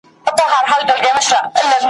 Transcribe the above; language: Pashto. بیا مُلا سو بیا هغه د سیند څپې سوې ,